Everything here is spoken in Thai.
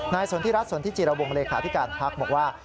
นายสนทิรัฐสนทิจิระวงค์เลยคาธิการภักดิ์บอกว่า